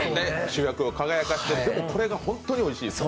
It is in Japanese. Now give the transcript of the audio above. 主役を輝かしてくれて、本当においしいです。